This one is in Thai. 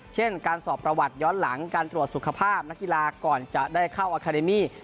เช่นการสอบประวัติย้อนหลังการตรวจสุขภาพนักกีฬาก่อนจะได้เข้าอาคาเดมี่